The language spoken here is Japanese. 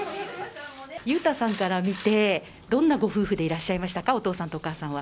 裕太さんから見て、どんなご夫婦でいらっしゃいましたか、お父さんとお母さんは。